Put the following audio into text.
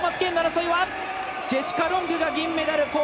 ジェシカ・ロングが銀メダル。